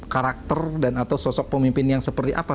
karakter dan atau sosok pemimpin yang seperti apa